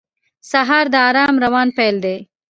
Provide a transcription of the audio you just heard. سهار د آرام روان پیل دی.